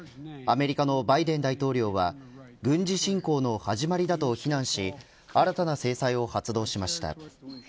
アメリカのバイデン大統領は軍事侵攻の始まりだと非難し新たな制裁を発動しました。